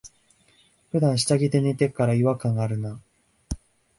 ふだん下着で寝てっから、違和感あるな。